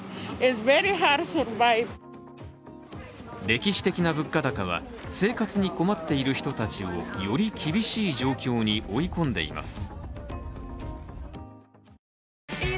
歴史的な物価高は生活に困っている人たちをより厳しい状況に追い込んでいます。